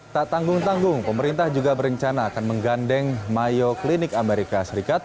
tak tanggung tanggung pemerintah juga berencana akan menggandeng mayoclinik amerika serikat